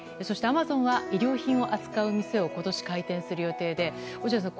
アマゾンは衣料品を扱う店を今年、開店する予定で落合さん